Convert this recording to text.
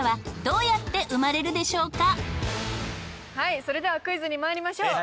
はいそれではクイズにまいりましょう。